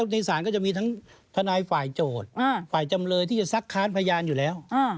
ในศาลก็จะมีทั้งทนายฝ่ายโจทย์ฝ่ายจำเลยที่จะซักค้านพยานอยู่แล้ว